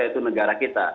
yaitu negara kita